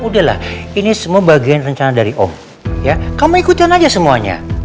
sampai jumpa di video selanjutnya